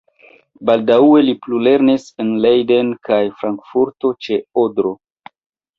Baldaŭe li plulernis en Leiden kaj Frankfurto ĉe Odro.